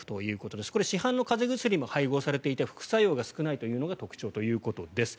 これ、市販の風邪薬も配合されていて副作用が少ないというのが特徴だそうです。